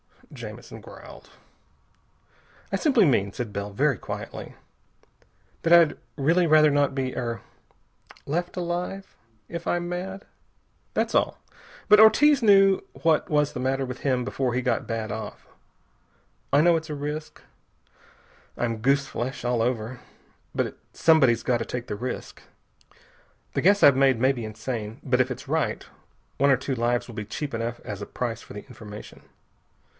Jamison growled. "I simply mean," said Bell very quietly, "that I'd really rather not be er left alive if I'm mad. That's all. But Ortiz knew what was the matter with him before he got bad off. I know it's a risk. I'm goose flesh all over. But somebody's got to take the risk. The guess I've made may be insane, but if it's right one or two lives will be cheap enough as a price for the information.